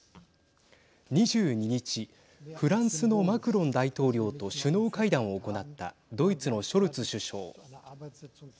２２日フランスのマクロン大統領と首脳会談を行ったドイツのショルツ首相。